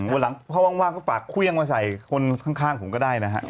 วันหลังเขาว่างก็ฝากเครื่องมาใส่คนข้างผมก็ได้นะฮะ